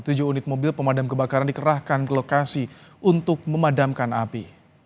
tujuh unit mobil pemadam kebakaran dikerahkan ke lokasi untuk memadamkan api